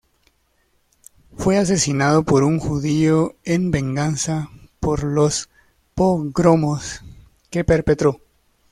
Fue asesinado por un judío en venganza por los pogromos que perpetró.